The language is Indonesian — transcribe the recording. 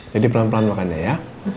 jadi pelan pelan makan ya ya